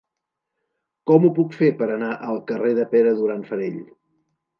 Com ho puc fer per anar al carrer de Pere Duran Farell?